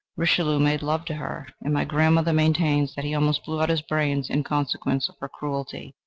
Richelieu made love to her, and my grandmother maintains that he almost blew out his brains in consequence of her cruelty.